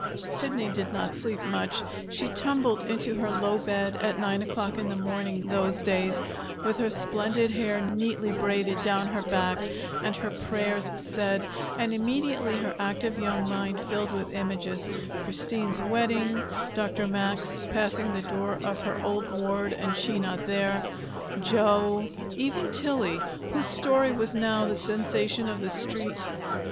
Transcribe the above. Sidney did not sleep much. She tumbled into her low bed at nine o'clock in the morning, those days, with her splendid hair neatly braided down her back and her prayers said, and immediately her active young mind filled with images Christine's wedding, Dr. Max passing the door of her old ward and she not there, Joe even Tillie, whose story was now the sensation of the Street.